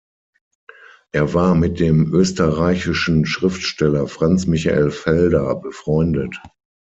Er war mit dem österreichischen Schriftsteller Franz Michael Felder befreundet.